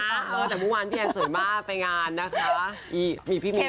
เมื่อก่อนแต่พี่แอนสวยมากดั้งไปงานนะคะ